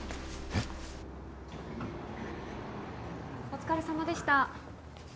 お疲れさまでした。